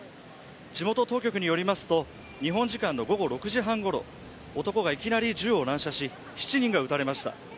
地元当局によりますと、日本時間の午後６時半ごろ、男がいきなり銃を乱射し７人が撃たれました。